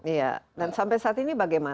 iya dan sampai saat ini bagaimana